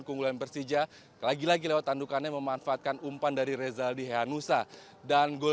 keguguran persija lagi lagi lewat tandukannya memanfaatkan umpan dari rezalihanusa dan gol